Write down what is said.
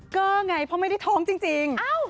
ก็ไงเพราะไม่ได้ท้องจริง